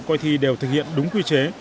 coi thi đều thực hiện đúng quy chế